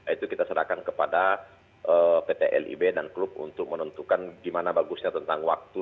itu kita serahkan kepada pt lib dan klub untuk menentukan gimana bagusnya tentang waktu